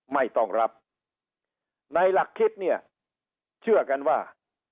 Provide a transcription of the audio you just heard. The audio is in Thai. ไม่ต้องรับในหลักคิดเนี่ยเชื่อกันว่า